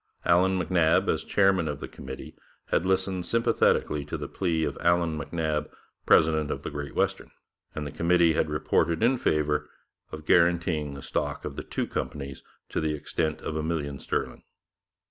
Allan MacNab, as chairman of the committee, had listened sympathetically to the plea of Allan MacNab, president of the Great Western, and the committee had reported in favour of guaranteeing the stock of the two companies to the extent of a million sterling.